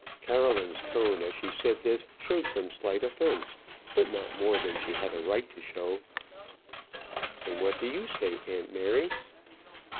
Caroline's tone as she said this showed some slight offence; but not more than she had a right to show. "And what do you say, aunt Mary?"